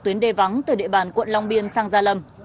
tuyến đê vắng từ địa bàn quận long biên sang gia lâm